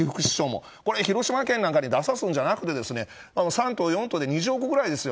広島県なんかに出さすのではなくて３棟、４棟で２０億ぐらいですよ。